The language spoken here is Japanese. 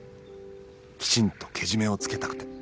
きちんとけじめをつけたくて。